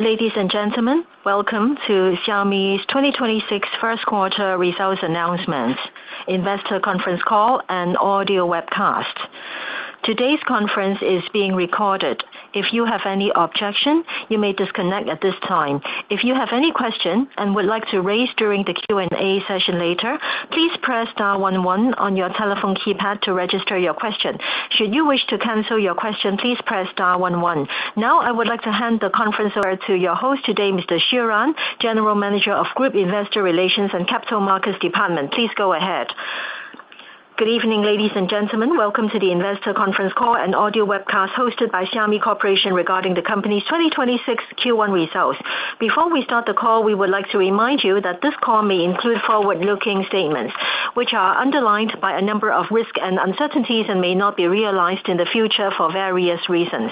Ladies and gentlemen, welcome to Xiaomi's 2026 first quarter results announcement, investor conference call, and audio webcast. Today's conference is being recorded. If you have any objection you may disconnect at this time. If you have any question and would like to raise during the Q&A session later please press star one one on your telephone keypad to register your question. Should you wish to cancel your question please press star one one. Now, I would like to hand the conference over to your host today, Mr. Xu Ran, General Manager of Group Investor Relations and Capital Markets Department. Please go ahead. Good evening, ladies and gentlemen. Welcome to the investor conference call and audio webcast hosted by Xiaomi Corporation regarding the company's 2026 Q1 results. Before we start the call, we would like to remind you that this call may include forward-looking statements, which are underlined by a number of risks and uncertainties and may not be realized in the future for various reasons.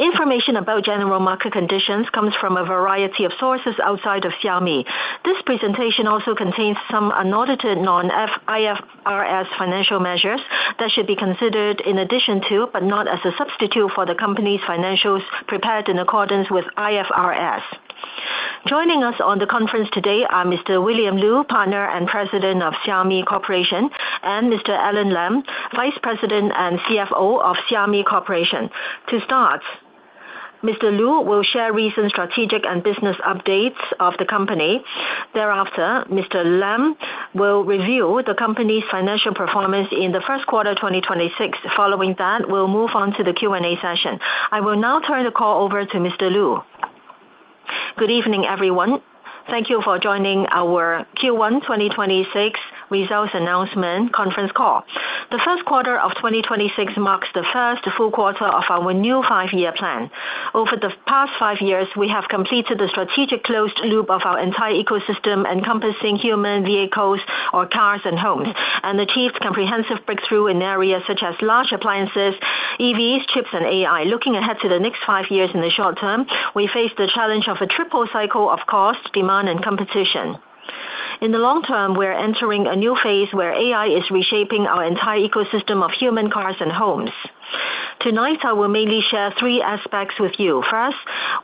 Information about general market conditions comes from a variety of sources outside of Xiaomi. This presentation also contains some unaudited non-IFRS financial measures that should be considered in addition to, but not as a substitute for, the company financials prepared in accordance with IFRS. Joining us on the conference today are Mr. William Lu, Partner and President of Xiaomi Corporation, and Mr. Alain Lam, Vice President and CFO of Xiaomi Corporation. To start, Mr. Lu will share recent strategic and business updates of the company. Thereafter, Mr. Lam will review the company's financial performance in the first quarter 2026. Following that, we'll move on to the Q&A session. I will now turn the call over to Mr. Lu. Good evening, everyone. Thank you for joining our Q1 2026 results announcement conference call. The first quarter of 2026 marks the first full quarter of our new five-year plan. Over the past five years, we have completed the strategic closed loop of our entire ecosystem encompassing human, vehicles or cars, and homes, and achieved comprehensive breakthrough in areas such as large appliances, EVs, chips, and AI. Looking ahead to the next five years in the short term, we face the challenge of a triple cycle of cost, demand, and competition. In the long term, we're entering a new phase where AI is reshaping our entire ecosystem of human, cars, and homes. Tonight, I will mainly share three aspects with you. First,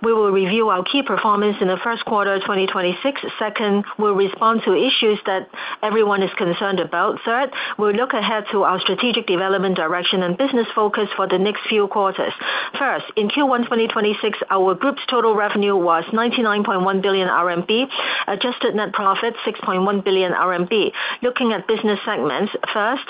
we will review our key performance in the first quarter 2026. Second, we'll respond to issues that everyone is concerned about. Third, we'll look ahead to our strategic development direction and business focus for the next few quarters. First, in Q1 2026, our group's total revenue was 99.1 billion RMB, adjusted net profit 6.1 billion RMB. Looking at business segments. First,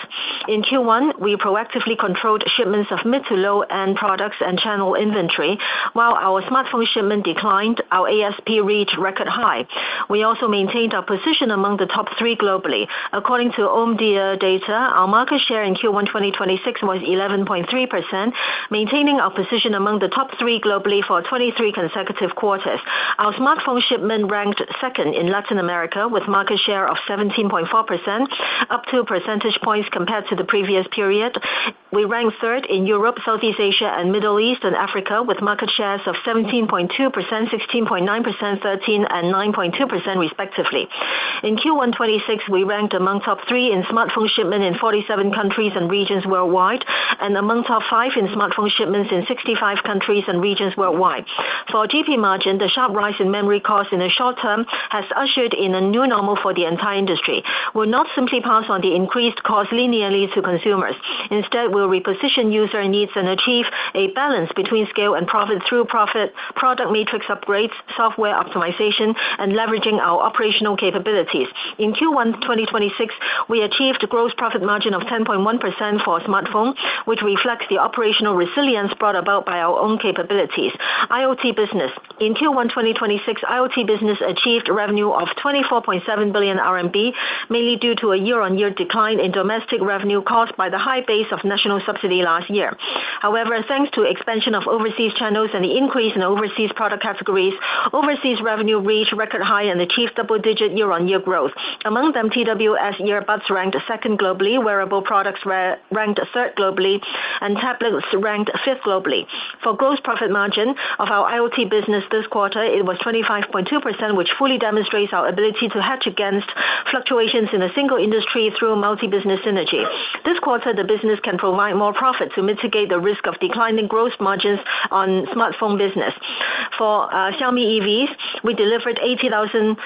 in Q1, we proactively controlled shipments of mid to low-end products and channel inventory. While our smartphone shipment declined, our ASP reached record high. We also maintained our position among the top three globally. According to Omdia data, our market share in Q1 2026 was 11.3%, maintaining our position among the top three globally for 23 consecutive quarters. Our smartphone shipment ranked second in Latin America with market share of 17.4%, up two percentage points compared to the previous period. We ranked third in Europe, Southeast Asia, and Middle East and Africa with market shares of 17.2%, 16.9%, 13%, and 9.2% respectively. In Q1 2026, we ranked among top three in smartphone shipment in 47 countries and regions worldwide, and among top five in smartphone shipments in 65 countries and regions worldwide. For GP margin, the sharp rise in memory costs in the short term has ushered in a new normal for the entire industry. We'll not simply pass on the increased cost linearly to consumers. Instead, we'll reposition user needs and achieve a balance between scale and profit through product matrix upgrades, software optimization, and leveraging our operational capabilities. In Q1 2026, we achieved Gross Profit margin of 10.1% for smartphone, which reflects the operational resilience brought about by our own capabilities. IoT business. In Q1 2026, IoT business achieved revenue of 24.7 billion RMB, mainly due to a year-on-year decline in domestic revenue caused by the high base of national subsidy last year. However, thanks to expansion of overseas channels and increase in overseas product categories, overseas revenue reached record high and achieved double-digit year-on-year growth. Among them, TWS earbuds ranked second globally, wearable products ranked third globally, and tablets ranked fifth globally. For gross profit margin of our IoT business this quarter, it was 25.2%, which fully demonstrates our ability to hedge against fluctuations in a single industry through multi-business synergy. This quarter, the business can provide more profits to mitigate the risk of declining growth margins on smartphone business. For our Xiaomi EVs, we delivered 80,856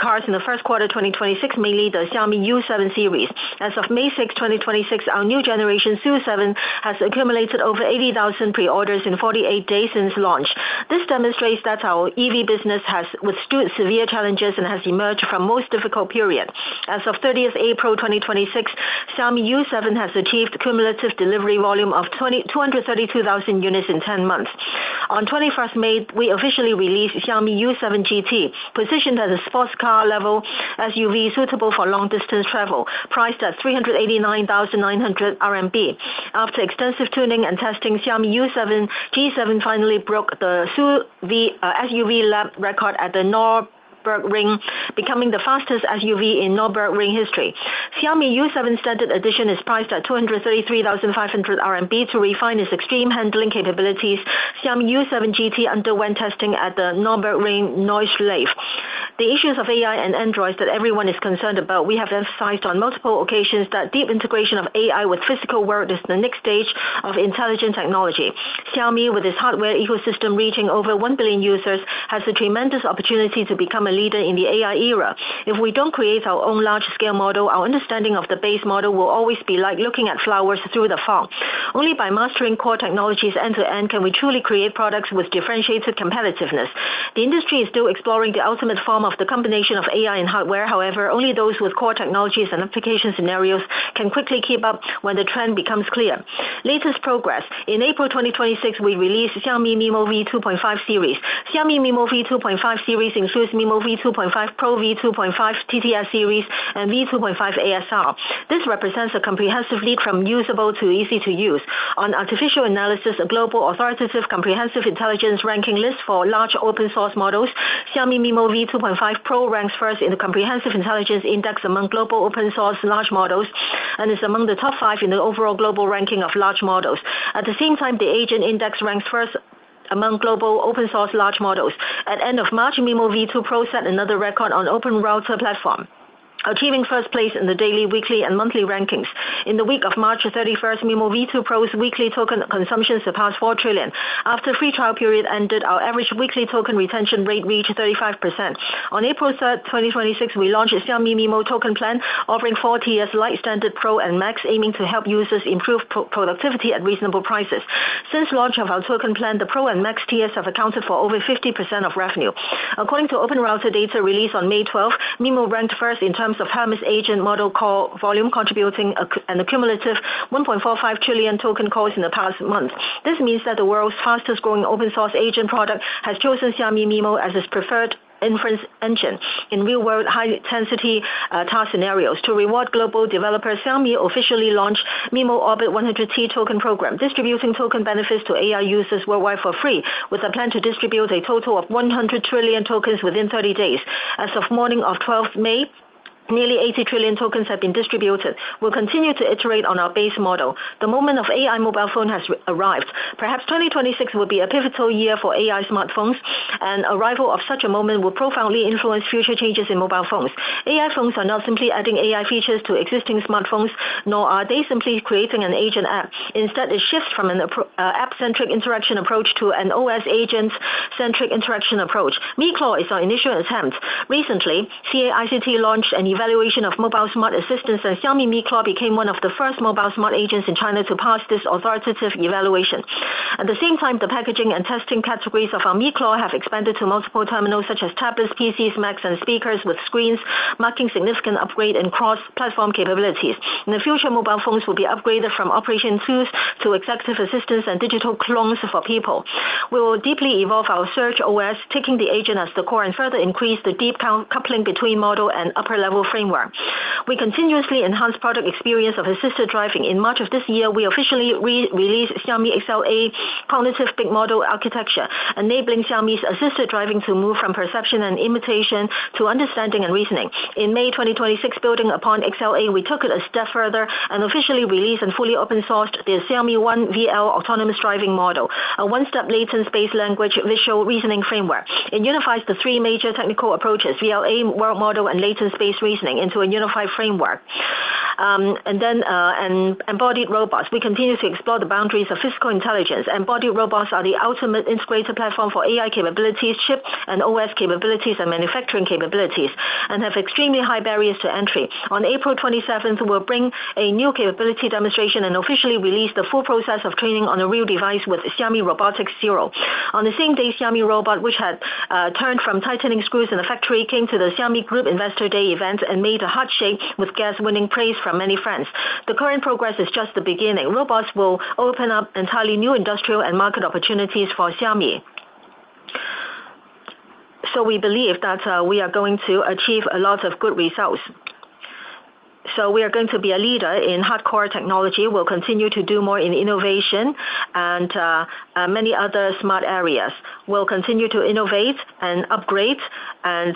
cars in the first quarter 2026, mainly the Xiaomi SU7 series. As of May 6th, 2026, our new generation SU7 has accumulated over 80,000 preorders in 48 days since launch. This demonstrates that our EV business has withstood severe challenges and has emerged from most difficult period. As of 30th April 2026, Xiaomi SU7 has achieved cumulative delivery volume of 232,000 units in 10 months. On 21st May, we officially released Xiaomi YU7 GT, positioned at a sports car level SUV suitable for long-distance travel, priced at 389,900 RMB. After extensive tuning and testing, Xiaomi YU7 GT finally broke the SUV lap record at the Nürburgring, becoming the fastest SUV in Nürburgring history. Xiaomi SU7 Standard is priced at 233,500 RMB to refine its extreme handling capabilities. Xiaomi YU7 GT underwent testing at the Nürburgring-Nordschleife. The issues of AI and androids that everyone is concerned about, we have emphasized on multiple occasions that deep integration of AI with physical world is the next stage of intelligent technology. Xiaomi, with its hardware ecosystem reaching over 1 billion users, has a tremendous opportunity to become a leader in the AI era. If we don't create our own large-scale model, our understanding of the base model will always be like looking at flowers through the fog. Only by mastering core technologies end-to-end can we truly create products with differentiated competitiveness. The industry is still exploring the ultimate form of the combination of AI and hardware. Only those with core technologies and application scenarios can quickly keep up when the trend becomes clear. Latest progress. In April 2026, we released Xiaomi MiMo V2.5 series. Xiaomi MiMo-V2.5 series includes MiMo-V2.5-Pro, MiMo-V2.5-TTS series, and MiMo-V2.5-ASR. This represents a comprehensive leap from usable to easy to use. On Artificial Analysis, a global authoritative comprehensive intelligence ranking list for large open source models, Xiaomi MiMo-V2.5-Pro ranks first in the comprehensive intelligence index among global open source large models and is among the top five in the overall global ranking of large models. At the same time, the agent index ranks first among global open source large models. At end of March, MiMo-V2-Pro set another record on OpenRouter platform, achieving first place in the daily, weekly, and monthly rankings. In the week of March 31st, MiMo-V2-Pro's weekly token consumption surpassed 4 trillion. After free trial period ended, our average weekly token retention rate reached 35%. On April 3rd, 2026, we launched Xiaomi MiMo Token Plan, offering four tiers: light, standard, pro, and max, aiming to help users improve productivity at reasonable prices. Since launch of our token plan, the pro and max tiers have accounted for over 50% of revenue. According to OpenRouter data released on May 12th, MiMo ranked first in terms of hummus agent model call volume, contributing a cumulative 1.45 trillion token calls in the past month. This means that the world's fastest growing open source agent product has chosen Xiaomi MiMo as its preferred inference engine in real-world high-intensity task scenarios. To reward global developers, Xiaomi officially launched MiMo Orbit 100T Token Program, distributing token benefits to AI users worldwide for free, with a plan to distribute a total of 100 trillion tokens within 30 days. As of morning of 12th May, nearly 80 trillion tokens have been distributed. We'll continue to iterate on our base model. The moment of AI mobile phone has arrived. Perhaps 2026 will be a pivotal year for AI smartphones. Arrival of such a moment will profoundly influence future changes in mobile phones. AI phones are not simply adding AI features to existing smartphones, nor are they simply creating an agent app. Instead, a shift from an app-centric interaction approach to an OS agent-centric interaction approach. miclaw is our initial attempt. Recently, CAICT launched an evaluation of mobile smart assistants. Xiaomi miclaw became one of the first mobile smart agents in China to pass this authoritative evaluation. At the same time, the packaging and testing categories of our miclaw have expanded to multiple terminals such as tablets, PCs, Macs, and speakers with screens marking significant upgrade in cross-platform capabilities. In the future, mobile phones will be upgraded from operation tools to effective assistants and digital clones for people. We will deeply evolve our Agent OS, taking the agent as the core, and further increase the deep coupling between model and upper-level framework. We continuously enhance product experience of assisted driving. In March of this year, we officially released Xiaomi XLA holistic model architecture, enabling Xiaomi's assisted driving to move from perception and imitation to understanding and reasoning. In May 2026, building upon XLA, we took it a step further and officially released and fully open-sourced the Xiaomi-Robotics-0 autonomous driving model, a one-step latent space language visual reasoning framework. It unifies the three major technical approaches, VLA, world model, and latent space reasoning into a unified framework. Embodied robots. We continuously explore the boundaries of physical intelligence. Embodied robots are the ultimate integrated platform for AI capabilities, chip and OS capabilities, and manufacturing capabilities, and have extremely high barriers to entry. On April 27th, we'll bring a new capability demonstration and officially release the full process of cleaning on a real device with Xiaomi-Robotics-0. On the same day, Xiaomi Robot, which had turned from tightening screws in a factory, came to the Xiaomi Investor Day event and made a handshake with guests, winning praise from many friends. The current progress is just the beginning. Robots will open up entirely new industrial and market opportunities for Xiaomi. We believe that we are going to achieve a lot of good results. We are going to be a leader in hardcore technology. We'll continue to do more in innovation and many other smart areas. We'll continue to innovate and upgrade and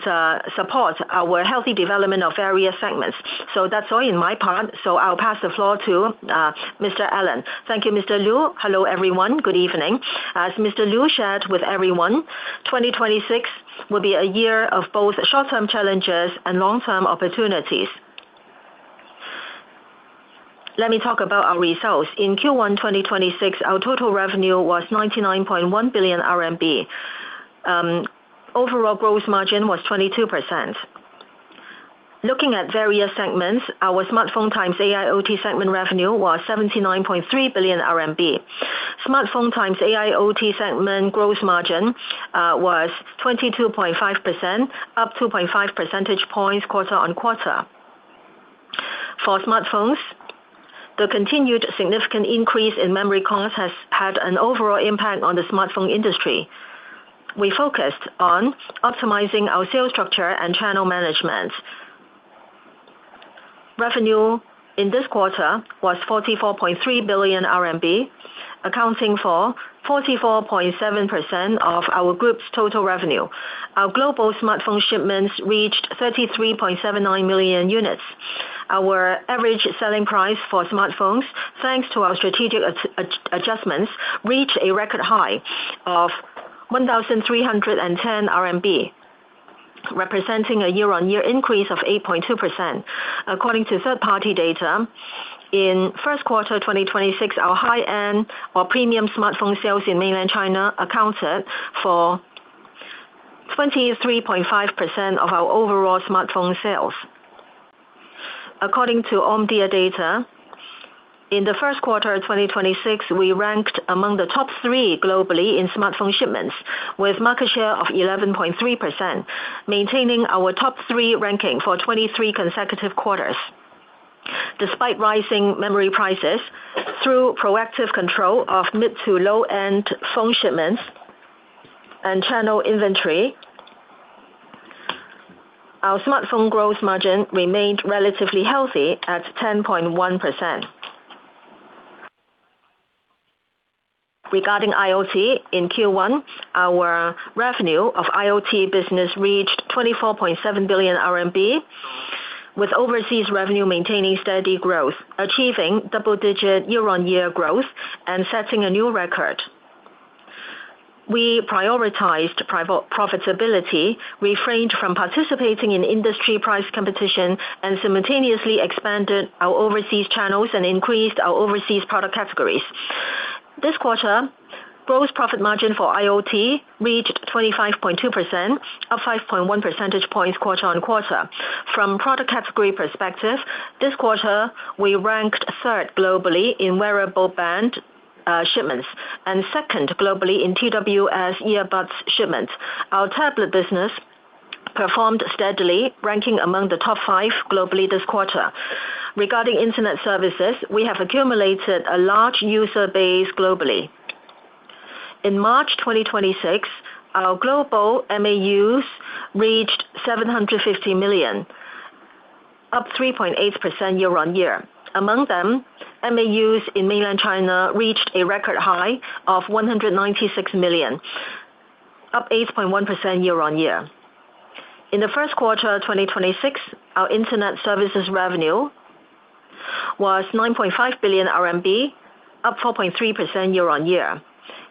support our healthy development of various segments. That's all on my part. I'll pass the floor to Mr. Alain. Thank you, Mr. Lu. Hello, everyone. Good evening. As Mr. Lu shared with everyone, 2026 will be a year of both short-term challenges and long-term opportunities. Let me talk about our results. In Q1 2026, our total revenue was 99.1 billion RMB. Overall gross margin was 22%. Looking at various segments, our smartphone times AIoT segment revenue was 79.3 billion RMB. Smartphone times AIoT segment gross margin was 22.5%, up 2.5 percentage points quarter-on-quarter. For smartphones, the continued significant increase in memory costs has had an overall impact on the smartphone industry. We focused on optimizing our sales structure and channel management. Revenue in this quarter was 44.3 billion RMB, accounting for 44.7% of our group's total revenue. Our global smartphone shipments reached 33.79 million units. Our average selling price for smartphones, thanks to our strategic adjustments, reached a record high of 1,310 RMB, representing a year-on-year increase of 8.2%. According to third-party data, in first quarter 2026, our high-end or premium smartphone sales in mainland China accounted for 23.5% of our overall smartphone sales. According to Omdia data, in the first quarter of 2026, we ranked among the top three globally in smartphone shipments, with market share of 11.3%, maintaining our top three ranking for 23 consecutive quarters. Despite rising memory prices, through proactive control of mid to low-end phone shipments and channel inventory, our smartphone gross margin remained relatively healthy at 10.1%. Regarding IoT, in Q1, our revenue of IoT business reached 24.7 billion RMB, with overseas revenue maintaining steady growth, achieving double-digit year-on-year growth and setting a new record. We prioritized profitability, refrained from participating in industry price competition, and simultaneously expanded our overseas channels and increased our overseas product categories. This quarter, gross profit margin for IoT reached 25.2%, up 5.1 percentage points quarter-on-quarter. From product category perspective, this quarter, we ranked third globally in wearable band shipments and second globally in TWS earbuds shipments. Our tablet business performed steadily, ranking among the top five globally this quarter. Regarding internet services, we have accumulated a large user base globally. In March 2026, our global MAUs reached 760 million, up 3.8% year-on-year. Among them, MAUs in mainland China reached a record high of 196 million, up 8.1% year-on-year. In the first quarter of 2026, our internet services revenue was 9.5 billion RMB, up 4.3% year-on-year.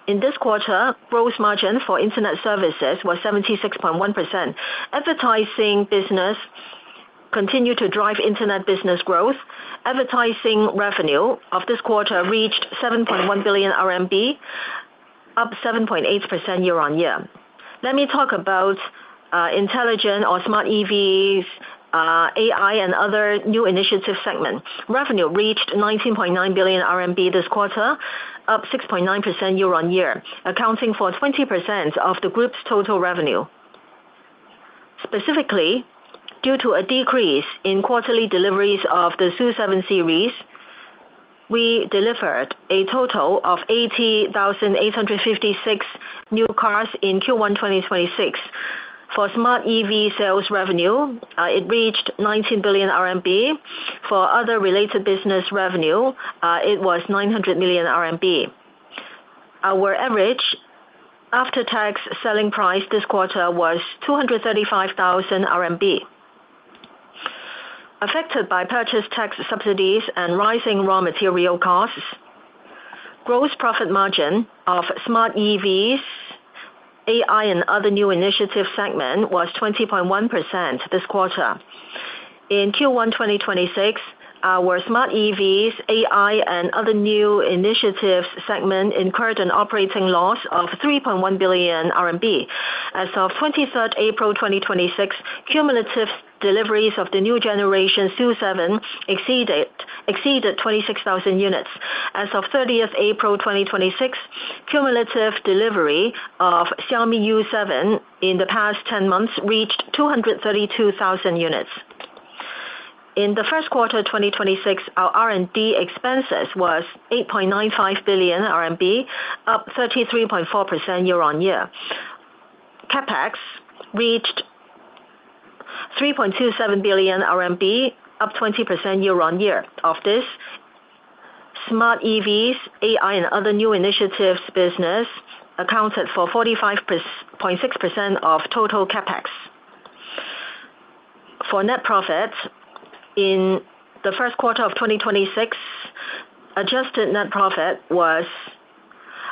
In this quarter, gross margin for internet services was 76.1%. Advertising business continued to drive internet business growth. Advertising revenue of this quarter reached 7.1 billion RMB, up 7.8% year-on-year. Let me talk about intelligent or smart EVs, AI, and other new initiatives segments. Revenue reached 19.9 billion RMB this quarter, up 6.9% year-on-year, accounting for 20% of the group's total revenue. Specifically, due to a decrease in quarterly deliveries of the SU7 series, we delivered a total of 80,856 new cars in Q1 2026. For smart EV sales revenue, it reached 19 billion RMB. For other related business revenue, it was 900 million RMB. Our average after-tax selling price this quarter was 235,000 RMB. Affected by purchase tax subsidies and rising raw material costs, gross profit margin of smart EVs, AI, and other new initiatives segment was 20.1% this quarter. In Q1 2026, our smart EVs, AI, and other new initiatives segment incurred an operating loss of 3.1 billion RMB. As of 23rd April 2026, cumulative deliveries of the new generation SU7 exceeded 26,000 units. As of 30th April 2026, cumulative delivery of Xiaomi SU7 in the past 10 months reached 232,000 units. In the first quarter of 2026, our R&D expenses was 8.95 billion RMB, up 33.4% year-on-year. CapEx reached 3.27 billion RMB, up 20% year-on-year. Of this, smart EVs, AI, and other new initiatives business accounted for 45.6% of total CapEx. For net profits in the first quarter of 2026, adjusted net profit was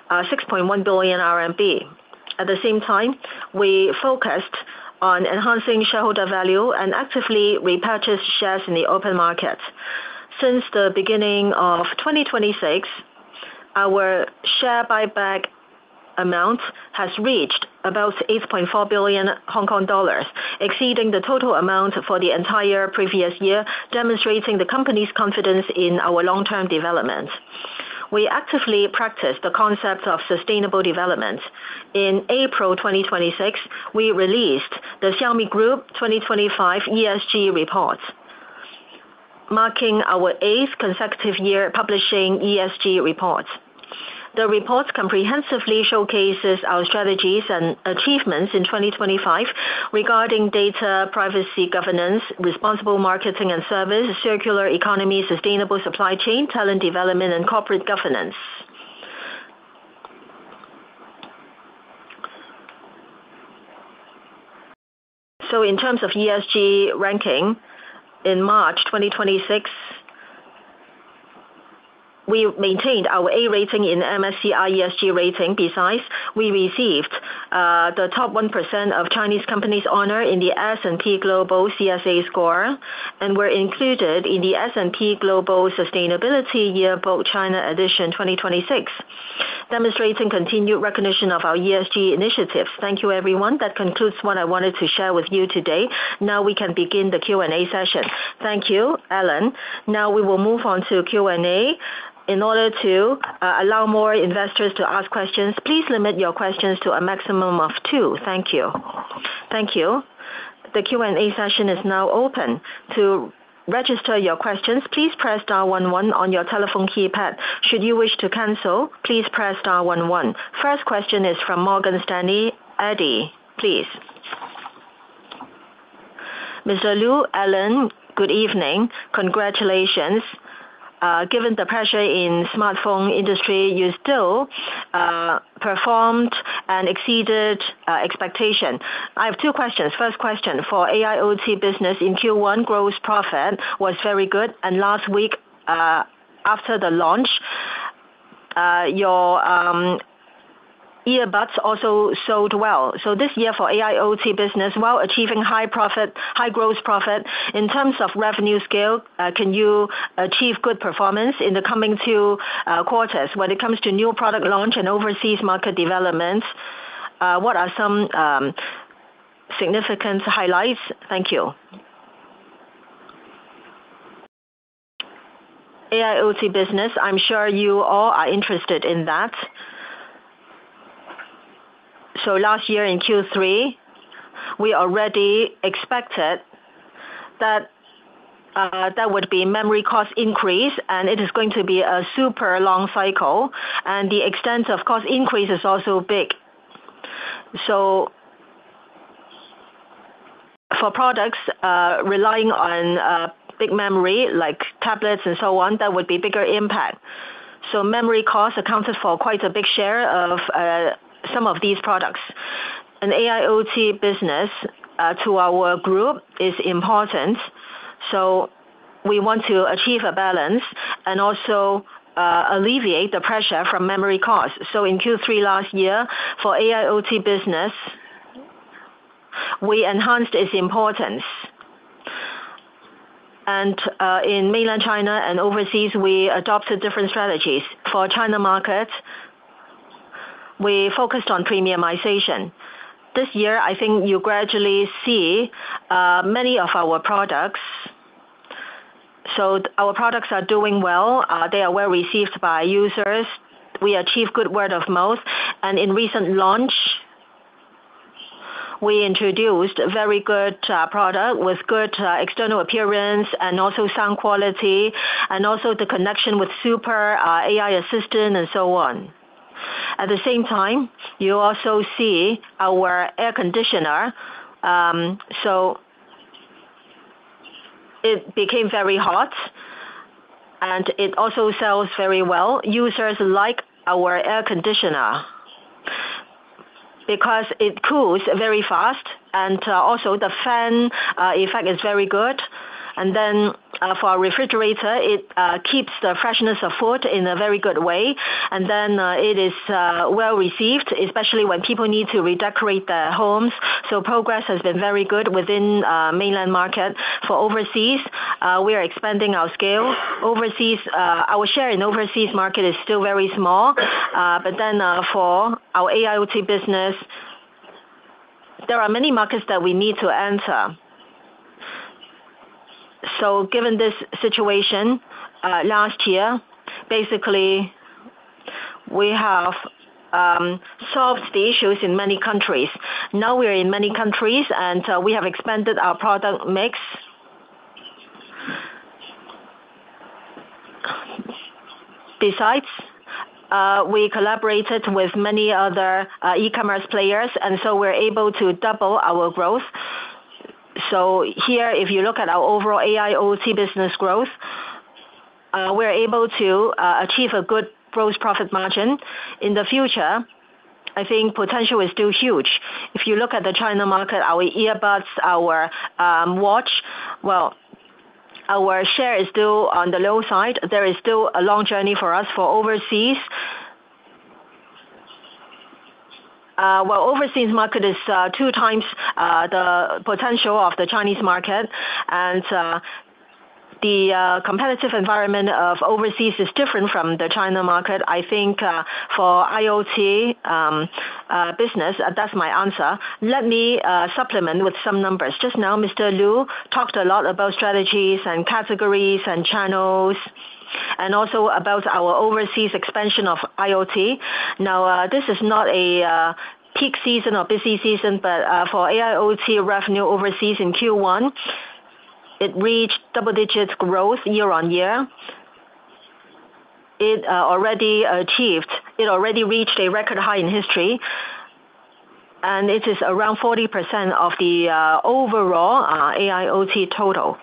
6.1 billion RMB. At the same time, we focused on enhancing shareholder value and actively repurchased shares in the open market. Since the beginning of 2026, our share buyback amount has reached about 8.4 billion Hong Kong dollars, exceeding the total amount for the entire previous year, demonstrating the company's confidence in our long-term development. We actively practice the concept of sustainable development. In April 2026, we released the Xiaomi Group 2025 ESG report, marking our eighth consecutive year publishing ESG report. The report comprehensively showcases our strategies and achievements in 2025 regarding data privacy governance, responsible marketing and service, circular economy, sustainable supply chain, talent development, and corporate governance. In terms of ESG ranking, in March 2026, we maintained our A rating in the MSCI ESG rating. Besides, we received the top 1% of Chinese companies honor in the S&P Global CSA score and were included in the S&P Global Sustainability Yearbook (China Edition) 2026, demonstrating continued recognition of our ESG initiatives. Thank you, everyone. That concludes what I wanted to share with you today. Now we can begin the Q&A session. Thank you, Alain. Now we will move on to Q&A. In order to allow more investors to ask questions, please limit your questions to a maximum of two. Thank you. Thank you. The Q&A session is now open. To register your questions, please press star one one on your telephone keypad. Should you wish to cancel, please press star one one. First question is from Morgan Stanley, Eddie, please. Mr. Lu, Alain, good evening. Congratulations. Given the pressure in smartphone industry, you still performed and exceeded expectation. I have two questions. First question for AIoT business in Q1, gross profit was very good, and last week after the launch, your earbuds also sold well. This year for AIoT business, while achieving high profit, high gross profit, in terms of revenue scale, can you achieve good performance in the coming two quarters? When it comes to new product launch and overseas market developments, what are some significant highlights? Thank you. AIoT business, I am sure you all are interested in that. Last year in Q3, we already expected that there would be memory cost increase, and it is going to be a super long cycle, and the extent of cost increase is also big. For products relying on big memory, like tablets and so on, there would be bigger impact. Memory cost accounted for quite a big share of some of these products. AIoT business to our group is important. We want to achieve a balance and also alleviate the pressure from memory cost. In Q3 last year, for AIoT business, we enhanced its importance. In mainland China and overseas, we adopted different strategies. For China market, we focused on premiumization. This year, I think you gradually see many of our products. Our products are doing well. They are well received by users. We achieve good word of mouth. In recent launch, we introduced a very good product with good external appearance and also sound quality, and also the connection with super AI assistant and so on. At the same time, you also see our air conditioner. It became very hot, and it also sells very well. Users like our air conditioner because it cools very fast, and also the fan effect is very good. For our refrigerator, it keeps the freshness of food in a very good way. It is well received, especially when people need to redecorate their homes. Progress has been very good within mainland market. For overseas, we are expanding our scale. Our share in overseas market is still very small. For our AIoT business, there are many markets that we need to enter. Given this situation, last year, basically, we have solved the issues in many countries. Now we are in many countries, and we have expanded our product mix. Besides, we collaborated with many other e-commerce players, and so we're able to double our growth. Here, if you look at our overall AIoT business growth, we're able to achieve a good gross profit margin. In the future, I think potential is still huge. If you look at the China market, our earbuds, our watch, well, our share is still on the low side. There is still a long journey for us for overseas. Overseas market is two times the potential of the Chinese market, and the competitive environment of overseas is different from the China market. I think for IoT business, that's my answer. Let me supplement with some numbers. Just now, Mr. Lu talked a lot about strategies and categories and channels, and also about our overseas expansion of IoT. This is not a peak season or busy season. For AIoT revenue overseas in Q1, it reached double-digit growth year-on-year. It already reached a record high in history, and it is around 40% of the overall AIoT total.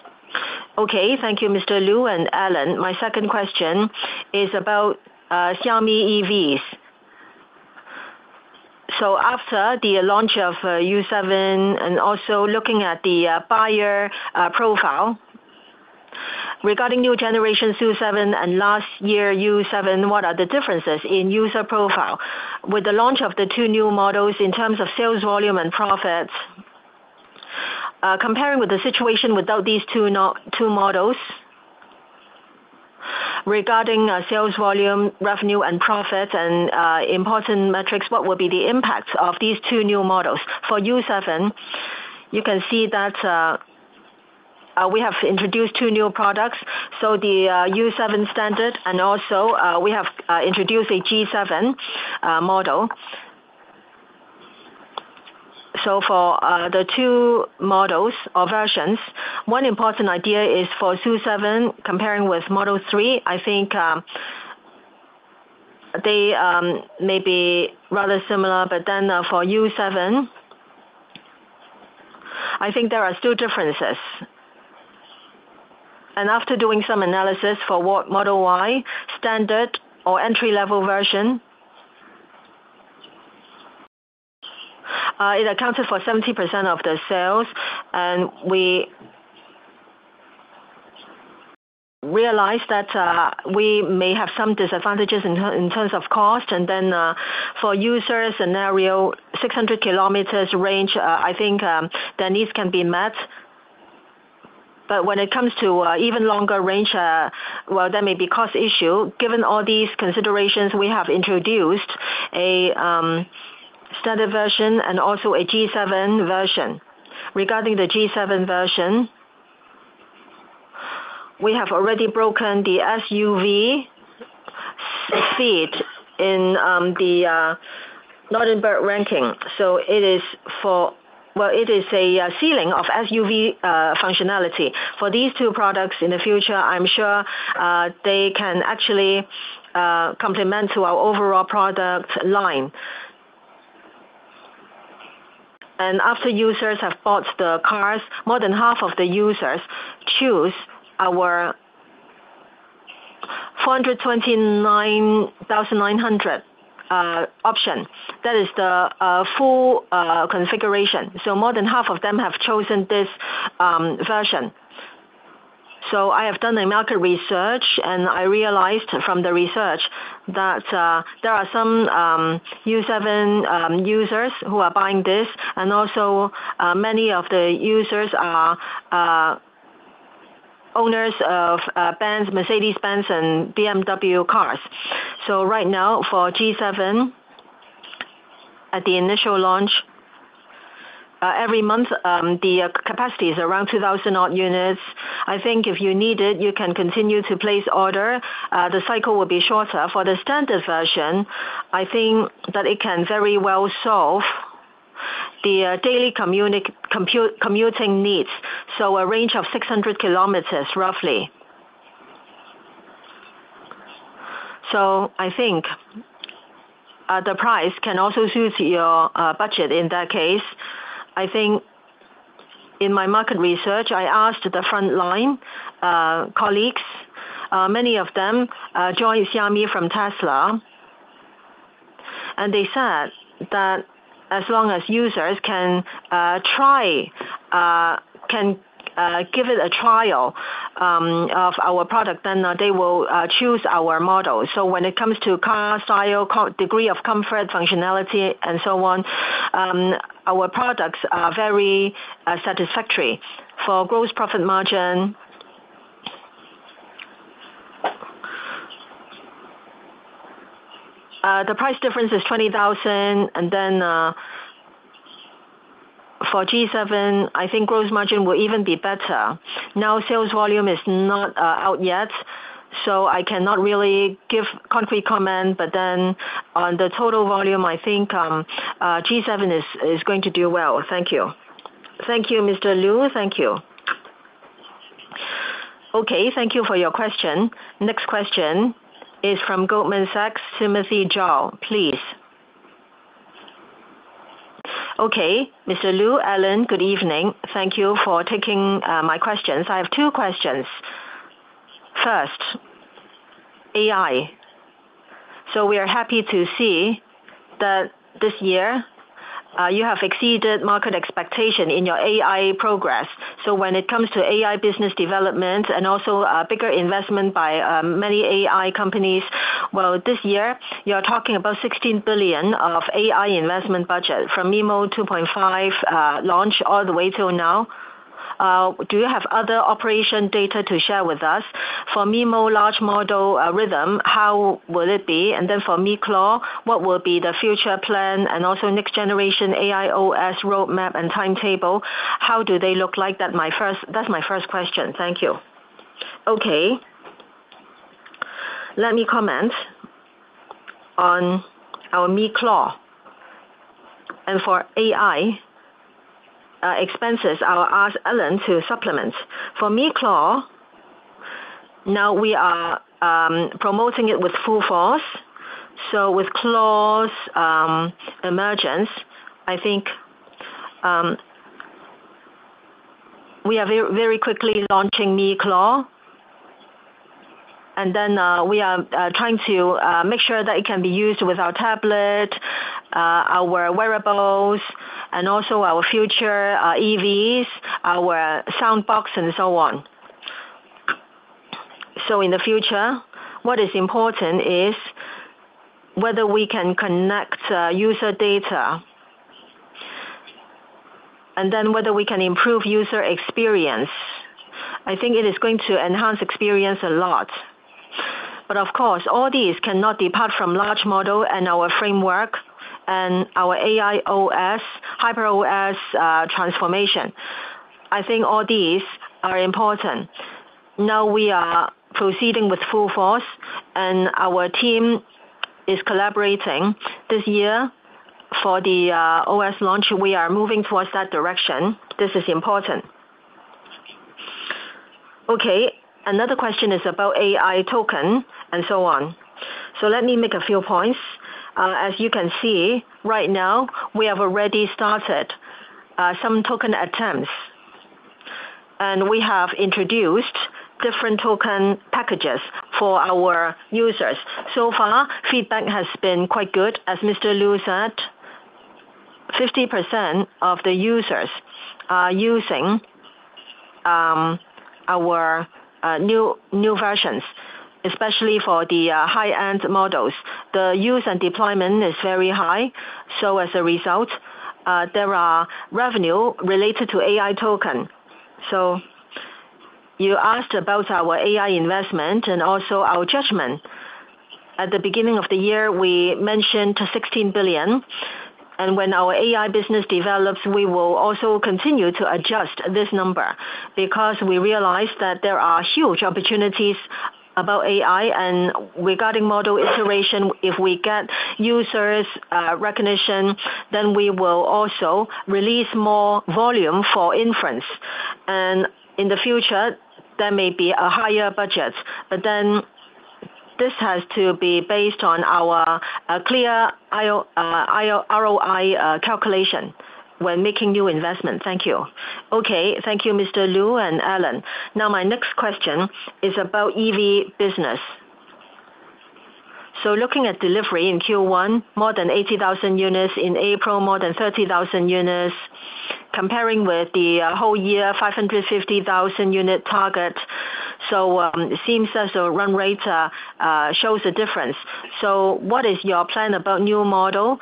Okay. Thank you, Mr. Lu and Alain. My second question is about Xiaomi EVs. After the launch of SU7 and also looking at the buyer profile, regarding new generation SU7 and last year SU7, what are the differences in user profile? With the launch of the two new models in terms of sales volume and profits, comparing with the situation without these two models, regarding sales volume, revenue and profit and important metrics, what will be the impact of these two new models? For SU7, you can see that we have introduced two new products. The SU7 Standard and also, we have introduced a YU7 GT model. For the two models or versions, one important idea is for SU7, comparing with Model 3, I think they may be rather similar. For SU7, I think there are still differences. After doing some analysis for what Model Y Standard or entry-level version, it accounted for 70% of the sales, and we realized that we may have some disadvantages in terms of cost. For user scenario, 600 km range, I think the needs can be met. When it comes to even longer range, well, there may be cost issue. Given all these considerations, we have introduced a Standard version and also a YU7 GT version. Regarding the YU7 GT version, we have already broken the SUV seat in the Nürburgring King. Well, it is a ceiling of SUV functionality. For these two products in the future, I am sure they can actually complement to our overall product line. After users have bought the cars, more than half of the users choose our 429,900 option. That is the full configuration. More than half of them have chosen this version. I have done the market research, and I realized from the research that there are some SU7 users who are buying this, and also, many of the users are owners of Mercedes-Benz and BMW cars. Right now for SU7, at the initial launch, every month, the capacity is around 2,000 odd units. I think if you need it, you can continue to place order. The cycle will be shorter. For the Standard version, I think that it can very well solve the daily commuting needs. A range of 600 km, roughly. I think the price can also suit your budget in that case. I think in my market research, I asked the frontline colleagues, many of them joined Xiaomi from Tesla, and they said that as long as users can give it a trial of our product, then they will choose our model. When it comes to car style, degree of comfort, functionality, and so on, our products are very satisfactory. For gross profit margin, the price difference is 20,000, and then for G7, I think gross margin will even be better. Now, sales volume is not out yet, so I cannot really give concrete comment, but then on the total volume, I think G7 is going to do well. Thank you. Thank you, Mr. Lu. Thank you. Okay. Thank you for your question. Next question is from Goldman Sachs, Timothy Zhao, please. Okay, Mr. Lu, Alain, good evening. Thank you for taking my questions. I have two questions. First, AI. We are happy to see that this year, you have exceeded market expectation in your AI progress. When it comes to AI business development and also a bigger investment by many AI companies, well, this year, you're talking about 16 billion of AI investment budget. From Xiaomi MiMo-V2.5 launch all the way till now, do you have other operation data to share with us? For MiMo large model algorithm, how will it be? For miclaw, what will be the future plan and also next generation AIOS roadmap and timetable, how do they look like? That's my first question. Thank you. Okay. Let me comment on our miclaw. For AI expenses, I'll ask Alain to supplement. For miclaw, we are promoting it with full force. With miclaw's emergence, I think we are very quickly launching miclaw, we are trying to make sure that it can be used with our tablet, our wearables, and also our future EVs, our sound box, and so on. In the future, what is important is whether we can connect user data, whether we can improve user experience. I think it is going to enhance experience a lot. Of course, all these cannot depart from large model and our framework and our AIOS, HyperOS transformation. I think all these are important. We are proceeding with full force, our team is collaborating this year for the OS launch. We are moving towards that direction. This is important. Okay. Another question is about AI token and so on. Let me make a few points. As you can see, right now, we have already started some token attempts, and we have introduced different token packages for our users. So far, feedback has been quite good. As Mr. Lu said, 50% of the users are using our new versions. Especially for the high-end models, the use and deployment is very high. As a result, there are revenue related to AI token. You asked about our AI investment and also our judgment. At the beginning of the year, we mentioned 16 billion, and when our AI business develops, we will also continue to adjust this number because we realize that there are huge opportunities about AI, and regarding model iteration, if we get users' recognition, then we will also release more volume for inference. In the future, there may be a higher budget. This has to be based on our clear ROI calculation when making new investments. Thank you. Okay. Thank you, Mr. Lu and Alain. My next question is about EV business. Looking at delivery in Q1, more than 80,000 units in April, more than 30,000 units comparing with the whole year 550,000 unit target. It seems that the run rate shows a difference. What is your plan about new model?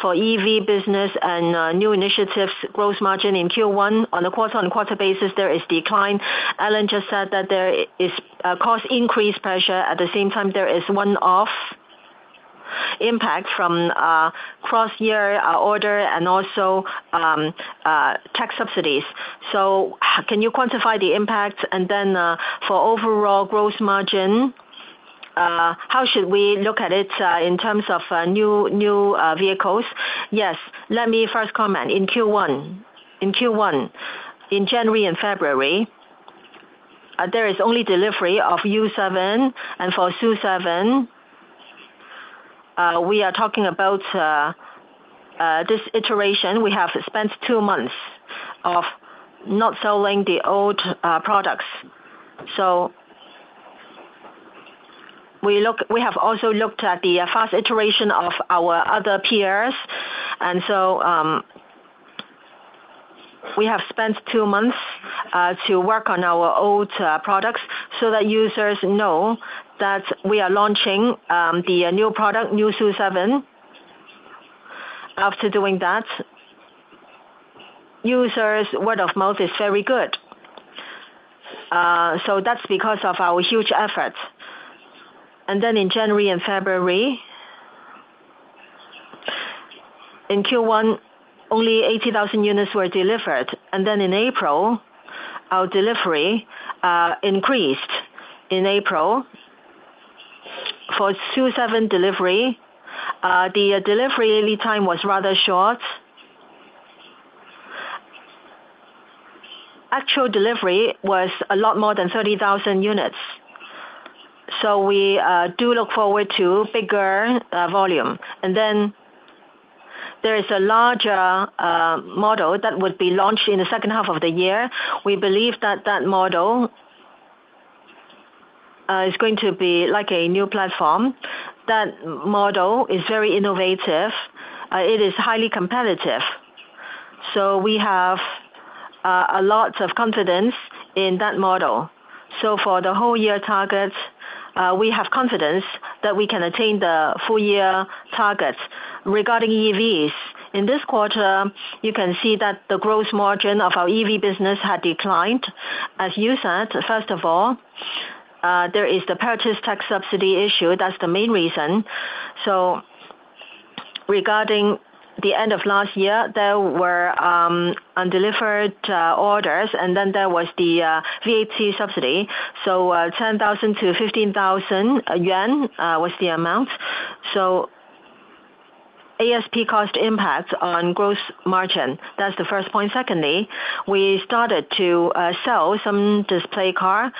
For EV business and new initiatives, Gross Profit margin in Q1 on a quarter-on-quarter basis, there is decline. Alain just said that there is cost increase pressure. At the same time, there is one-off impact from cross-year order and also tax subsidies. Can you quantify the impact? For overall Gross Profit margin, how should we look at it in terms of new vehicles? Yes. Let me first comment in Q1. In Q1, in January and February, there is only delivery of SU7. For SU7, we are talking about this iteration. We have spent two months of not selling the old products. We have also looked at the fast iteration of our other peers. We have spent two months to work on our old products so that users know that we are launching the new product, new SU7. After doing that, users' word of mouth is very good. That's because of our huge efforts. In January and February, in Q1, only 80,000 units were delivered. In April, our delivery increased. In April, for SU7 delivery, the delivery lead time was rather short. Actual delivery was a lot more than 30,000 units. We do look forward to bigger volume. There is a larger model that would be launched in the second half of the year. We believe that that model is going to be like a new platform. That model is very innovative. It is highly competitive. We have a lot of confidence in that model. For the whole year targets, we have confidence that we can attain the full year targets. Regarding EVs, in this quarter, you can see that the gross margin of our EV business had declined. As you said, first of all, there is the purchase tax subsidy issue. That's the main reason. Regarding the end of last year, there were undelivered orders, and then there was the CITIC subsidy. 10,000-15,000 yuan again was the amount. ASP cost impact on gross margin. That's the first point. Secondly, we started to sell some display car,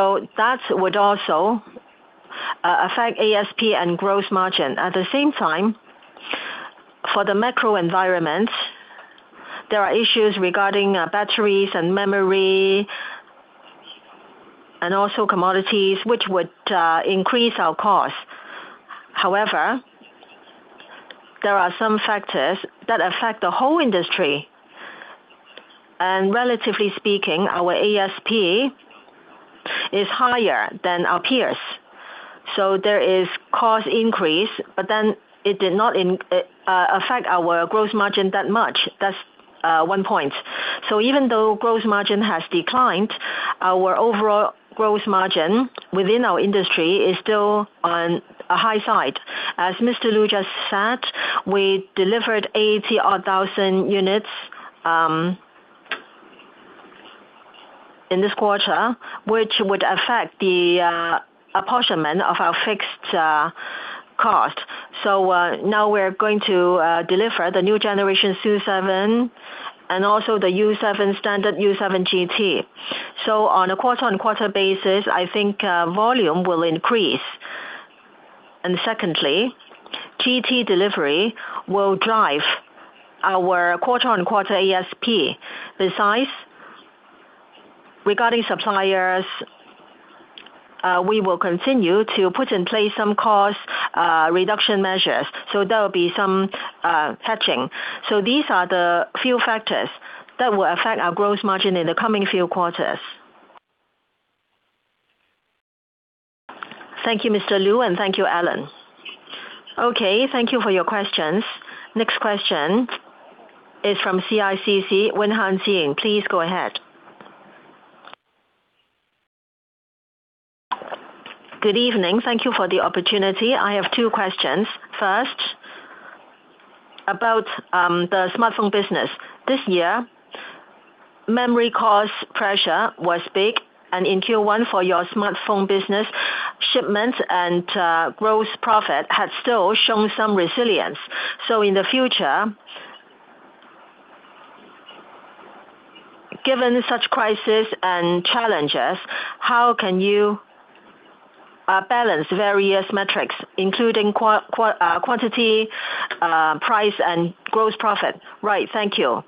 that would also affect ASP and gross margin. At the same time, for the macro environment, there are issues regarding batteries and memory, commodities, which would increase our cost. However, there are some factors that affect the whole industry, and relatively speaking, our ASP is higher than our peers. There is cost increase, it did not affect our gross margin that much. That's one point. Even though gross margin has declined, our overall gross margin within our industry is still on a high side. As Mr. Lu just said, we delivered 80,000 odd units in this quarter, which would affect the apportionment of our fixed cost. Now we are going to deliver the new generation SU7, the SU7 Standard, YU7 GT. On a quarter-on-quarter basis, I think volume will increase. Secondly, GT delivery will drive our quarter-on-quarter ASP. Besides, regarding suppliers, we will continue to put in place some cost reduction measures. There'll be some touching. These are the few factors that will affect our gross margin in the coming few quarters. Thank you, Mr. Lu, and thank you, Alain Lam. Okay, thank you for your questions. Next question is from CICC, Jingwen Han. Please go ahead. Good evening. Thank you for the opportunity. I have two questions. First, about the smartphone business. This year, memory cost pressure was big, into one for your smartphone business, shipments and gross profit had still shown some resilience. In the future, given such crisis and challenges, how can you balance various metrics including quantity, price, and gross profit? Right. Thank you.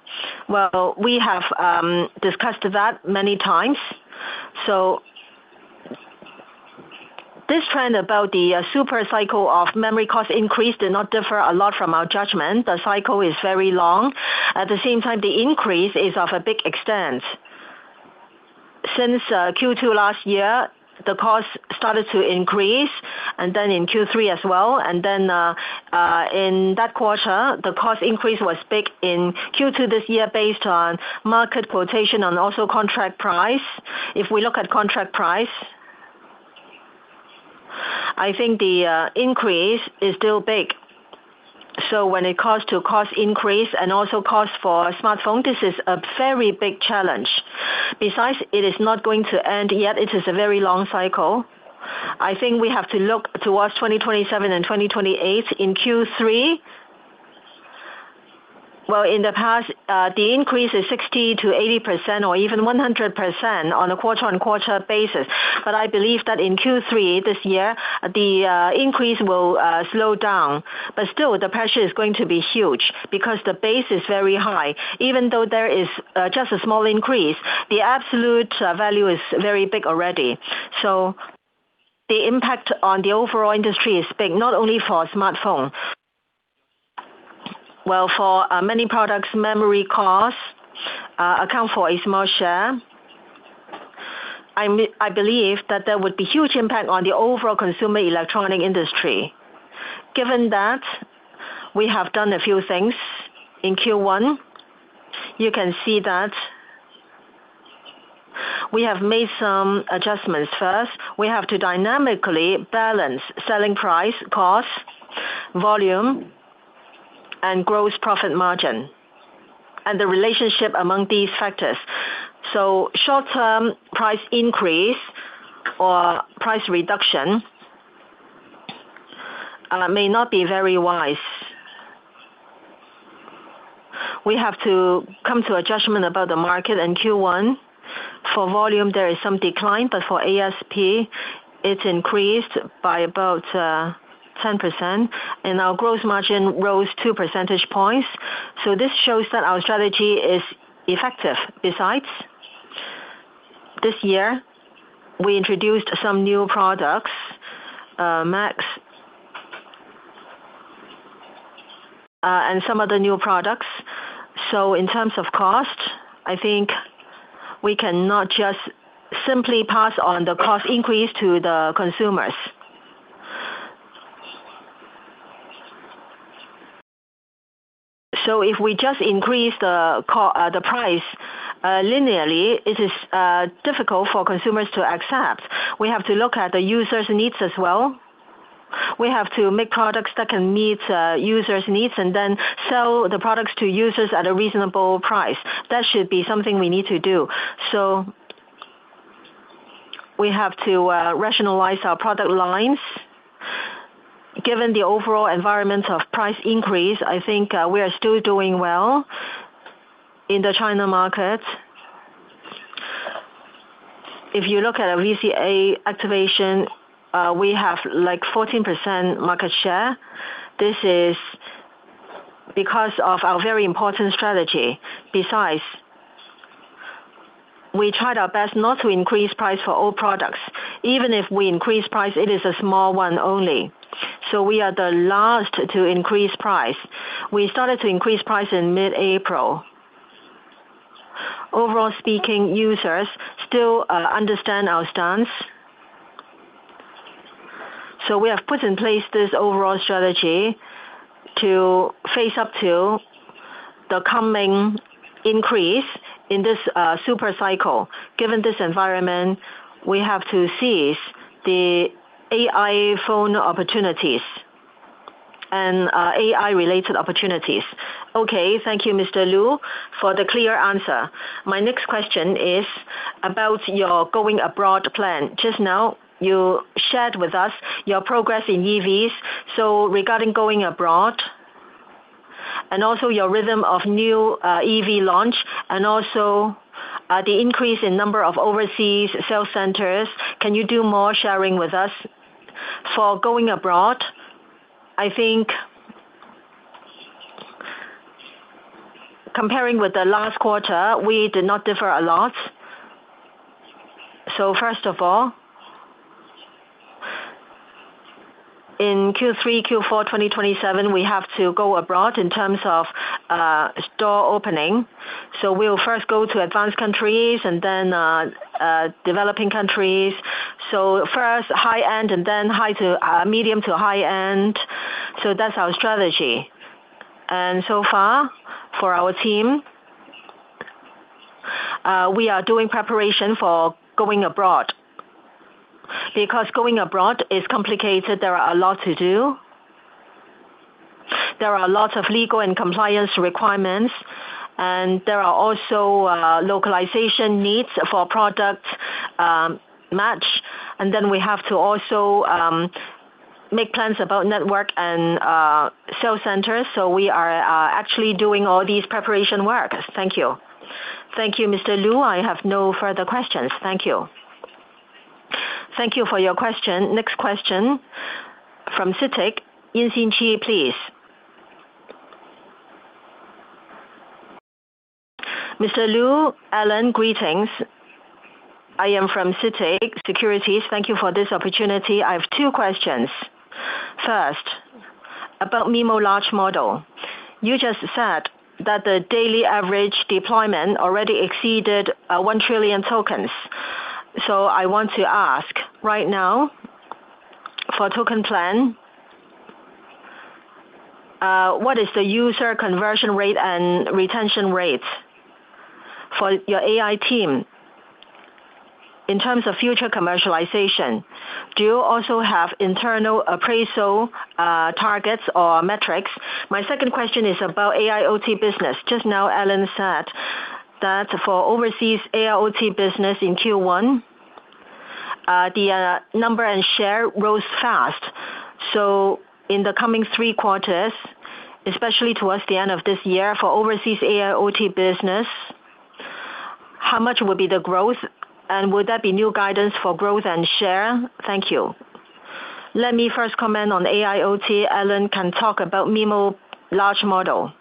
Well, we have discussed that many times. This trend about the super cycle of memory cost increase did not differ a lot from our judgment. The cycle is very long. At the same time, the increase is of a big extent. Since Q2 last year, the cost started to increase, and then in Q3 as well. In that quarter, the cost increase was big in Q2 this year based on market quotation and also contract price. If we look at contract price, I think the increase is still big. When it comes to cost increase and also cost for a smartphone, this is a very big challenge. Besides, it is not going to end here. This is a very long cycle. I think we have to look towards 2027 and 2028 in Q3. Well, in the past, the increase is 60%-80%, or even 100% on a quarter-on-quarter basis. I believe that in Q3 this year, the increase will slow down, but still the pressure is going to be huge because the base is very high. Even though there is just a small increase, the absolute value is very big already. The impact on the overall industry is big, not only for smartphone. For many products, memory cost account for a small share. I believe that there would be huge impact on the overall consumer electronic industry. Given that, we have done a few things in Q1. You can see that we have made some adjustments. First, we have to dynamically balance selling price, cost, volume, and gross profit margin, and the relationship among these factors. Short term price increase or price reduction may not be very wise. We have to come to a judgment about the market in Q1. For volume, there is some decline, but for ASP, it's increased by about 10%, and our gross margin rose two percentage points. This shows that our strategy is effective. Besides, this year, we introduced some new products, Max, and some other new products. In terms of cost, I think we cannot just simply pass on the cost increase to the consumers. If we just increase the price linearly, it is difficult for consumers to accept. We have to look at the user's needs as well. We have to make products that can meet users' needs and then sell the products to users at a reasonable price. That should be something we need to do. We have to rationalize our product lines. Given the overall environment of price increase, I think we are still doing well in the China market. If you look at VCA activation, we have 14% market share. This is because of our very important strategy. We tried our best not to increase price for all products. Even if we increase price, it is a small one only. We are the last to increase price. We started to increase price in mid-April. Overall speaking, users still understand our stance. We have put in place this overall strategy to face up to the coming increase in this super cycle. Given this environment, we have to seize the AI phone opportunities and AI-related opportunities. Okay. Thank you, Mr. Lu, for the clear answer. My next question is about your going abroad plan. Just now, you shared with us your progress in EVs. Regarding going abroad and also your rhythm of new EV launch and also the increase in number of overseas sales centers, can you do more sharing with us? For going abroad, I think comparing with the last quarter, we did not differ a lot. First of all, in Q3, Q4 2027, we have to go abroad in terms of store opening. We'll first go to advanced countries and then developing countries. First high-end and then medium to high-end. That's our strategy. So far for our team, we are doing preparation for going abroad. Because going abroad is complicated, there are a lot to do. There are a lot of legal and compliance requirements, and there are also localization needs for product match, then we have to also make plans about network and sale centers. We are actually doing all these preparation work. Thank you. Thank you, Mr. Lu. I have no further questions. Thank you. Thank you for your question. Next question from CITIC. Yun Qi, please. Mr. Lu, Alain, greetings. I am from CITIC Securities. Thank you for this opportunity. I have two questions. First, about MiMo large model. You just said that the daily average deployment already exceeded 1 trillion tokens. I want to ask, right now, for Xiaomi MiMo Token Plan, what is the user conversion rate and retention rate? For your AI team, in terms of future commercialization, do you also have internal appraisal targets or metrics? My second question is about AIoT business. Just now, Alain said that for overseas AIoT business in Q1, the number and share rose fast. In the coming three quarters, especially towards the end of this year, for overseas AIoT business, how much will be the growth, and will there be new guidance for growth and share? Thank you. Let me first comment on AIoT. Alain Lam can talk about MiMo large model.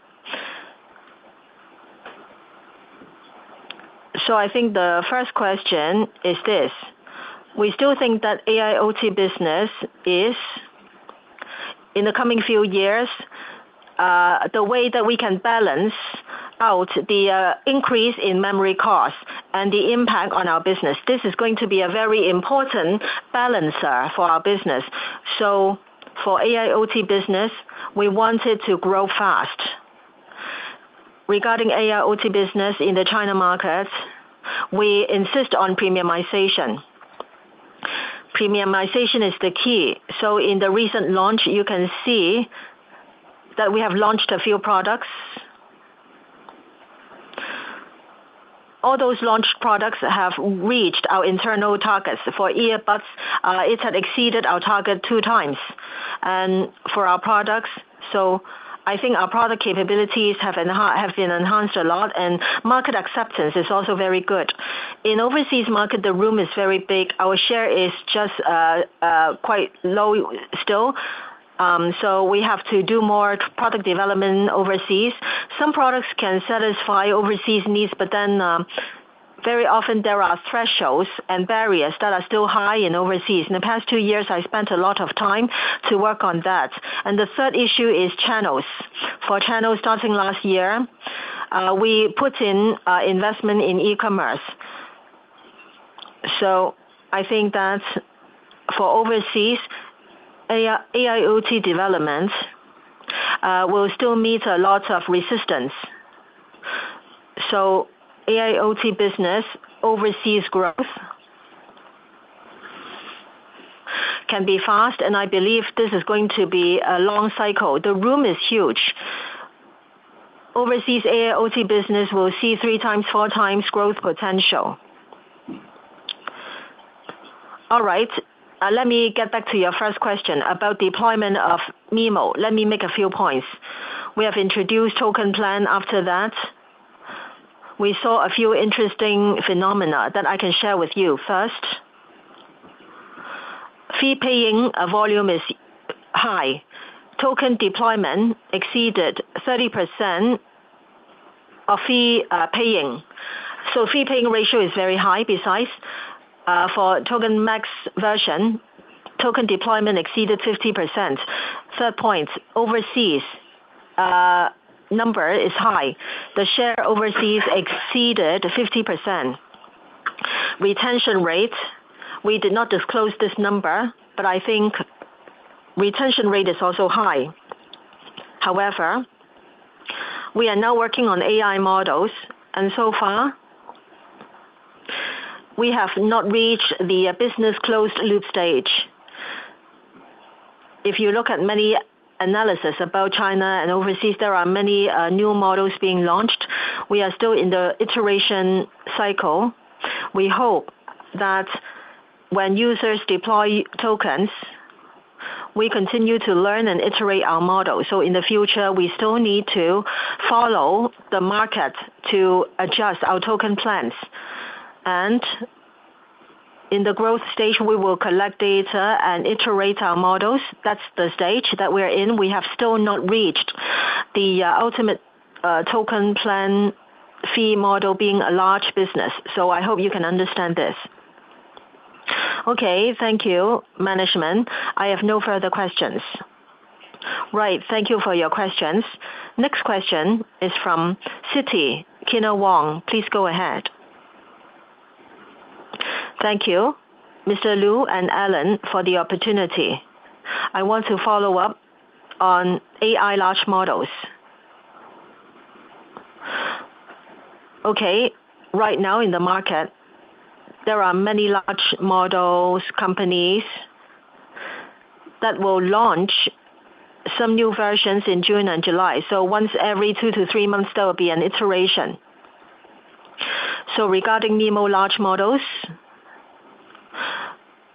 I think the first question is this. We still think that AIoT business is, in the coming few years, the way that we can balance out the increase in memory cost and the impact on our business. This is going to be a very important balancer for our business. For AIoT business, we want it to grow fast. Regarding AIoT business in the China market, we insist on premiumization. Premiumization is the key. In the recent launch, you can see that we have launched a few products. All those launched products have reached our internal targets. For earbuds, it had exceeded our target two times. For our products, I think our product capabilities have been enhanced a lot, and market acceptance is also very good. In overseas market, the room is very big. Our share is just quite low still. We have to do more product development overseas. Some products can satisfy overseas needs, very often there are thresholds and barriers that are still high in overseas. In the past two years, I spent a lot of time to work on that. The third issue is channels. For channels, starting last year, we put in investment in e-commerce. I think that for overseas AIoT development, we'll still meet a lot of resistance. AIoT business overseas growth can be fast, and I believe this is going to be a long cycle. The room is huge. Overseas AIoT business will see three times, four times growth potential. All right. Let me get back to your first question about deployment of MiMo. Let me make a few points. We have introduced token plan, after that, we saw a few interesting phenomena that I can share with you. First, fee paying volume is high. Token deployment exceeded 30% of fee paying. Fee paying ratio is very high. Besides, for token max version, token deployment exceeded 50%. Third point, overseas number is high. The share overseas exceeded 50%. Retention rate, we did not disclose this number, but I think retention rate is also high. We are now working on AI models, and so far, we have not reached the business closed loop stage. If you look at many analyses about China and overseas, there are many new models being launched. We are still in the iteration cycle. We hope that when users deploy tokens, we continue to learn and iterate our model. In the future, we still need to follow the market to adjust our token plans. In the growth stage, we will collect data and iterate our models. That's the stage that we're in. We have still not reached the ultimate token plan fee model being a large business. I hope you can understand this. Okay. Thank you, management. I have no further questions. Right. Thank you for your questions. Next question is from Citi. Kyna Wong, please go ahead. Thank you, Mr. Lu and Alain Lam, for the opportunity. I want to follow up on AI large models. Right now in the market, there are many large models companies that will launch some new versions in June and July. Once every two to three months, there will be an iteration. Regarding MiMo large models,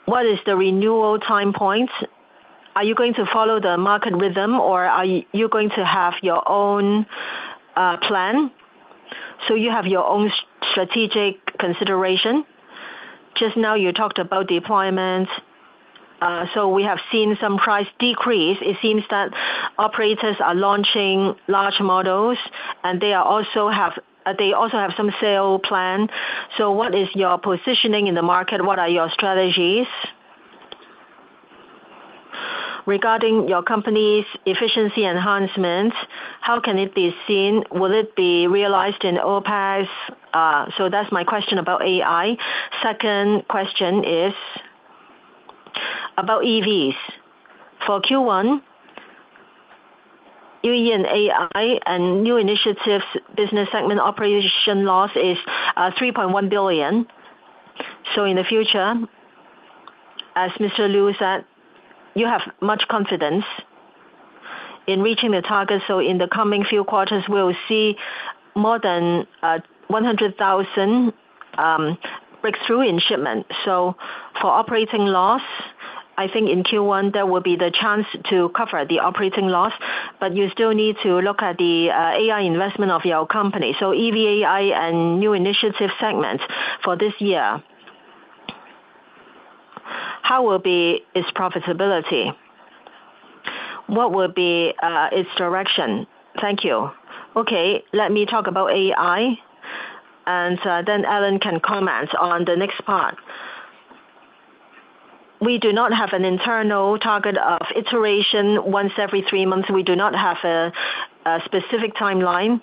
what is the renewal time point? Are you going to follow the market rhythm, or are you going to have your own plan? You have your own strategic consideration. Just now you talked about deployments. We have seen some price decrease. It seems that operators are launching large models, and they also have some sales plan. What is your positioning in the market? What are your strategies? Regarding your company's efficiency enhancements, how can it be seen? Will it be realized in OPEX? That's my question about AI. Second question is about EVs. For Q1, EV, AI and new initiatives business segment operation loss is 3.1 billion. In the future, as Mr. Lu said, you have much confidence in reaching the target. In the coming few quarters, we will see more than 100,000 breakthrough in shipment. For operating loss, I think in Q1, there will be the chance to cover the operating loss, but you still need to look at the AI investment of your company. EV AI and new initiative segments for this year, how will be its profitability? What will be its direction? Thank you. Okay, let me talk about AI, and so then Alain can comment on the next part. We do not have an internal target of iteration once every three months. We do not have a specific timeline.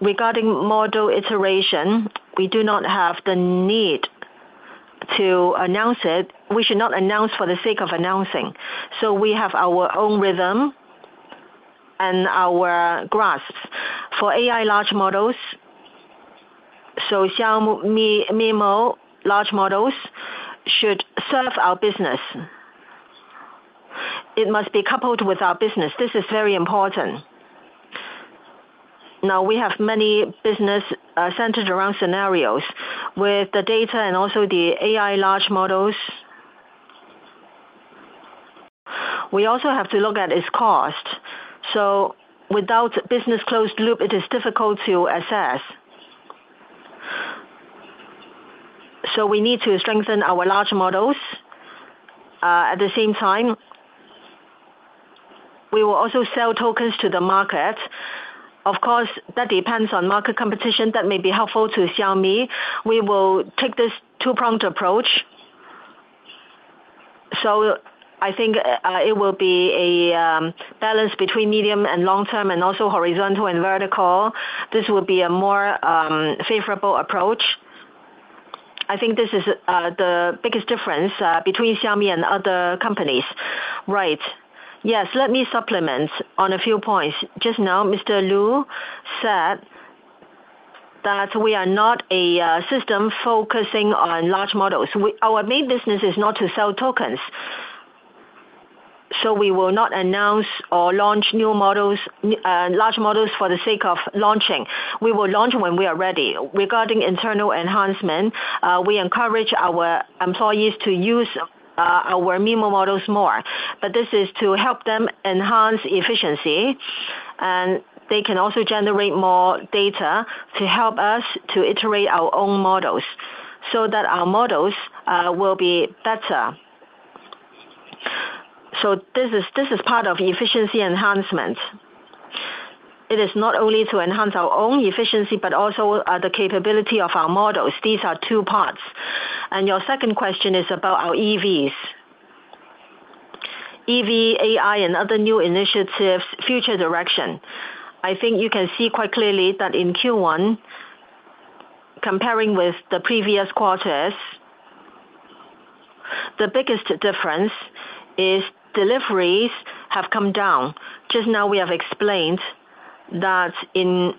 Regarding model iteration, we do not have the need to announce it. We should not announce for the sake of announcing. We have our own rhythm and our grasp. For AI large models, so Xiaomi MiMo large models should serve our business. It must be coupled with our business. This is very important. Now we have many business centered around scenarios. With the data and also the AI large models, we also have to look at its cost. Without a business closed loop, it is difficult to assess. We need to strengthen our large models. At the same time, we will also sell tokens to the market. Of course, that depends on market competition that may be helpful to Xiaomi. We will take this two-pronged approach. I think it will be a balance between medium and long term and also horizontal and vertical. This will be a more favorable approach. I think this is the biggest difference between Xiaomi and other companies. Right. Yes. Let me supplement on a few points. Just now, Mr. Lu said that we are not a system focusing on large models. Our main business is not to sell tokens. We will not announce or launch large models for the sake of launching. We will launch when we are ready. Regarding internal enhancement, we encourage our employees to use our MiMo models more, but this is to help them enhance efficiency, and they can also generate more data to help us to iterate our own models so that our models will be better. This is part of the efficiency enhancement. It is not only to enhance our own efficiency, but also the capability of our models. These are two parts. Your second question is about our EVs. EV, AI, and other new initiatives, future direction. I think you can see quite clearly that in Q1, comparing with the previous quarters, the biggest difference is deliveries have come down. Just now we have explained that in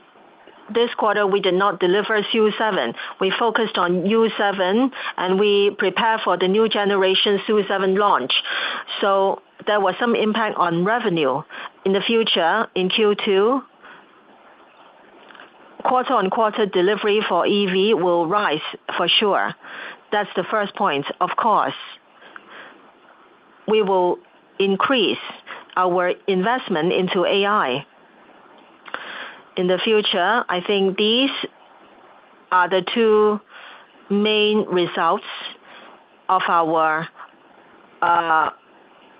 this quarter, we did not deliver SU7. We focused on SU7, and we prepare for the new generation SU7 launch. There was some impact on revenue. In the future, in Q2, quarter-on-quarter delivery for EV will rise for sure. That's the first point. Of course, we will increase our investment into AI. In the future, I think these are the two main results of our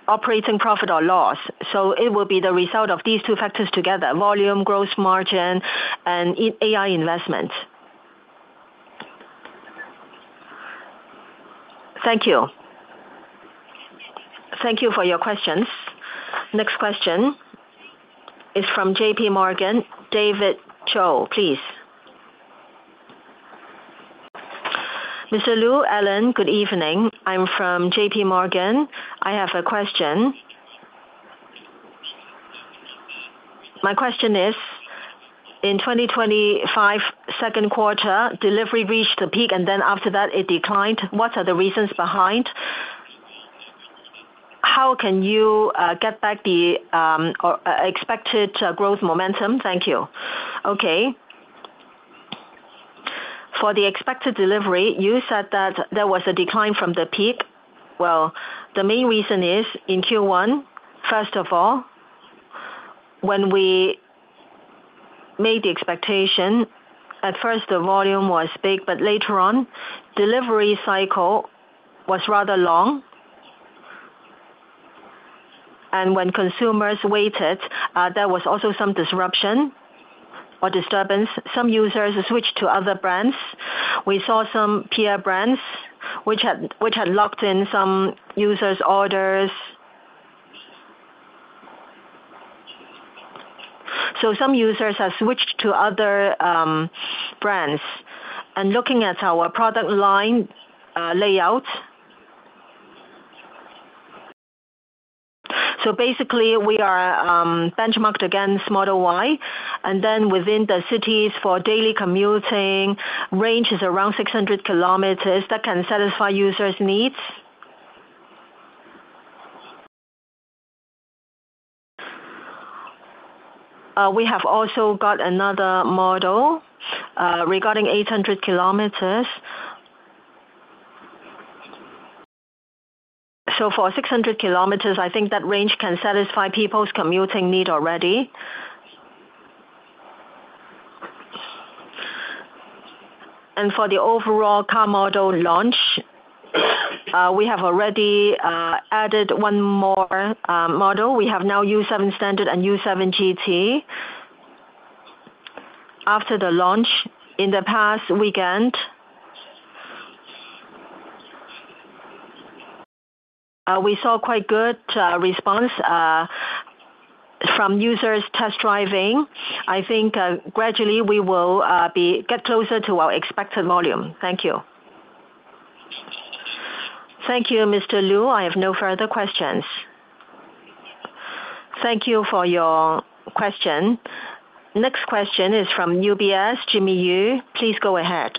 operating profit or loss. It will be the result of these two factors together: volume, gross margin, and AI investment. Thank you. Thank you for your questions. Next question is from JPMorgan, David Cho, please. Mr. Lu, Alain, good evening. I'm from JPMorgan. I have a question. My question is, in 2025 second quarter, delivery reached a peak, and then after that it declined. What are the reasons behind? How can you get back the expected growth momentum? Thank you. Okay. For the expected delivery, you said that there was a decline from the peak. The main reason is in Q1, first of all, when we made the expectation, at first the volume was big, but later on, delivery cycle was rather long. When consumers waited, there was also some disruption or disturbance. Some users switched to other brands. We saw some peer brands which had locked in some users' orders. Some users have switched to other brands. Looking at our product line layout, basically, we are benchmarked against Model Y, then within the cities for daily commuting, range is around 600 km. That can satisfy users' needs. We have also got another model regarding 800 km. For 600 km, I think that range can satisfy people's commuting need already. For the overall car model launch, we have already added one more model. We have now SU7 Standard and YU7 GT. After the launch in the past weekend, we saw quite good response from users test driving. I think gradually we will get closer to our expected volume. Thank you. Thank you, Mr. Lu. I have no further questions. Thank you for your question. Next question is from UBS, Jimmy Yu. Please go ahead.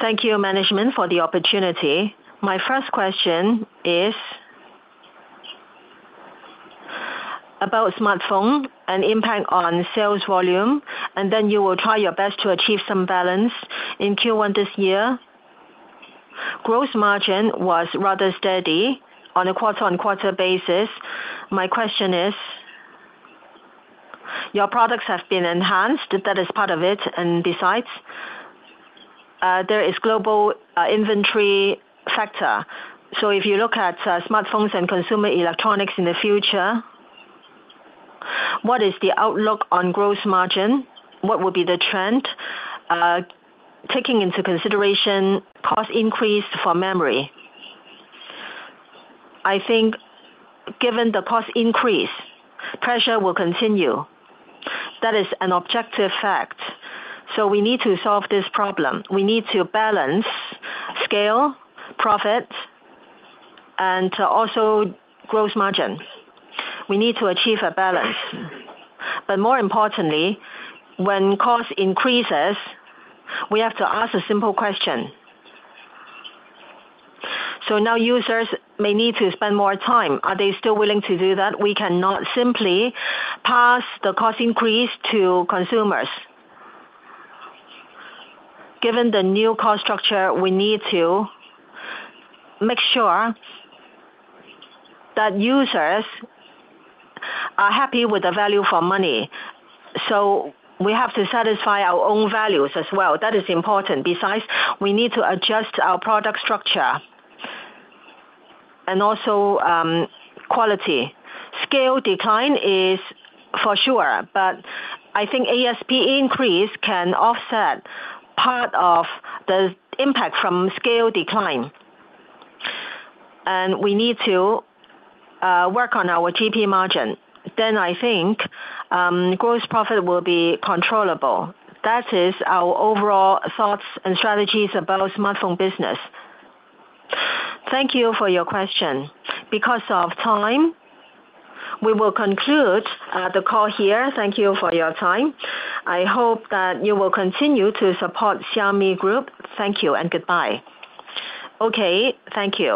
Thank you, management for the opportunity. My first question is about smartphone and impact on sales volume, you will try your best to achieve some balance. In Q1 this year, gross margin was rather steady on a quarter-on-quarter basis. My question is, your products have been enhanced, that is part of it, there is global inventory factor. If you look at smartphones and consumer electronics in the future, what is the outlook on gross margin? What will be the trend, taking into consideration cost increase for memory? I think given the cost increase, pressure will continue. That is an objective fact. We need to solve this problem. We need to balance scale, profit, and also Gross Profit margin. We need to achieve a balance. More importantly, when cost increases, we have to ask a simple question. Now users may need to spend more time. Are they still willing to do that? We cannot simply pass the cost increase to consumers. Given the new cost structure, we need to make sure that users are happy with the value for money. We have to satisfy our own values as well. That is important. Besides, we need to adjust our product structure and also quality. Scale decline is for sure, but I think ASP increase can offset part of the impact from scale decline. We need to work on our GP margin. I think gross profit will be controllable. That is our overall thoughts and strategies about smartphone business. Thank you for your question. Because of time, we will conclude the call here. Thank you for your time. I hope that you will continue to support Xiaomi Group. Thank you and goodbye. Okay. Thank you.